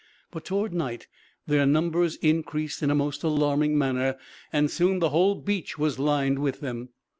But toward night their numbers increased in a most alarming manner, and soon the whole beach was lined with them.